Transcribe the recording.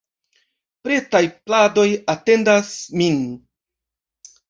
Pretaj pladoj atendas nin!